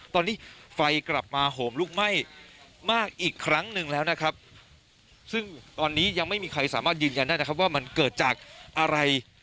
ตอนนี้ไฟกลับมาโหมลุกไหม้มากอีกครั้งหนึ่งแล้วนะครับซึ่งตอนนี้ยังไม่มีใครสามารถยืนยันได้นะครับว่ามันเกิดจากอะไร